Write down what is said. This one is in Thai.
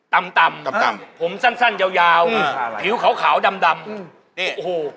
ตำผมสั้นเยาผิวขาวดำโอ้โห